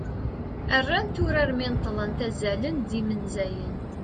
rrant urar mi neṭṭlent "azalen d yimenzayen"